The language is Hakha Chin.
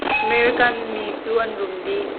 American mi cu an rum dih.